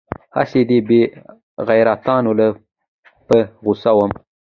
هسې دې بې غيرتانو له په غوسه وم.